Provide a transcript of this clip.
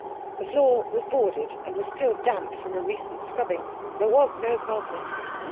The floor was boarded, and was still damp from a recent scrubbing. There was no carpet.